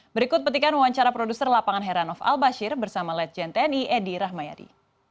berikut petikan wawancara produser lapangan heranov al bashir bersama legend tni edi rahmayadi